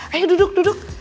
ayo duduk duduk